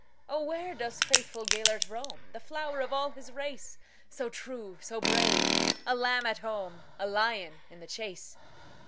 "O, where doth faithful Gêlert roam, The flower of all his race, So true, so brave,—a lamb at home,A lion in the chase?"